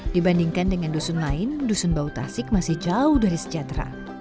dibandingkan dengan dusun lain dusun bau tasik masih jauh dari sejahtera